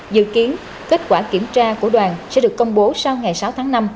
dự kiến kết quả kiểm tra của đoàn sẽ được công bố sau ngày sáu tháng năm